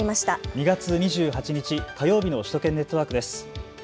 ２月２８日、火曜日の首都圏ネットワークです。